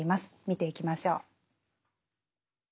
見ていきましょう。